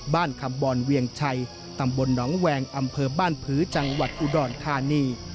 บ้านคำบรเวียงชัยตำบลนแหวงอำเพอดุภีร์บ้านภื่อจังหวัดอุดรคานี่